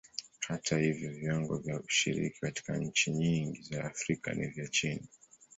Hata hivyo, viwango vya ushiriki katika nchi nyingi za Afrika ni vya chini.